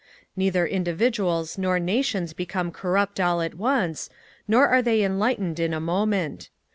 Neither individuals nor nations become corrupt all at once, nor are they enlightened in a moment.